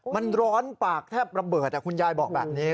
มันร้อนปากแทบระเบิดคุณยายบอกแบบนี้